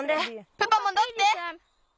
プパもどって！